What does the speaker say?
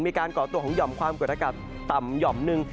มีการก่อตัวของยอมความเกิดอากาศต่ำยอมหนึ่ง